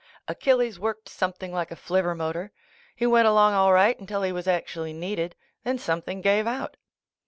Achilles worked something like a flivver motor. He went along all right until he was actually needed ; then something gave out.